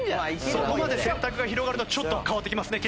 そこまで選択が広がるとちょっと変わってきますね